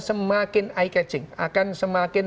semakin eye catging akan semakin